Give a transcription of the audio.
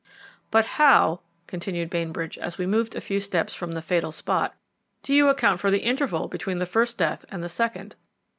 "But how," continued Bainbridge, as we moved a few steps from the fatal spot, "do you account for the interval between the first death and the second?"